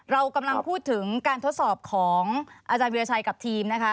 เรากำลังพูดถึงการทดสอบของอาจารย์วิราชัยกับทีมนะคะ